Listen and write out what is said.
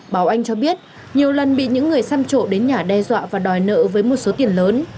bà oanh cho biết nhiều lần bị những người xăm trộn đến nhà đe dọa và đòi nợ với một số tiền lớn